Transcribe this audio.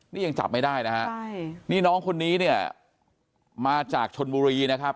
นี่ยังจับไม่ได้นะฮะใช่นี่น้องคนนี้เนี่ยมาจากชนบุรีนะครับ